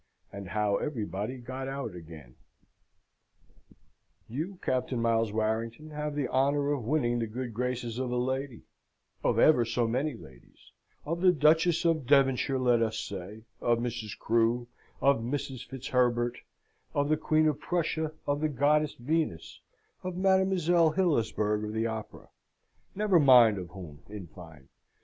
And how everybody got out again You, Captain Miles Warrington, have the honour of winning the good graces of a lady of ever so many ladies of the Duchess of Devonshire, let us say, of Mrs. Crew, of Mrs. Fitzherbert, of the Queen of Prussia, of the Goddess Venus, of Mademoiselle Hillisberg of the Opera never mind of whom, in fine.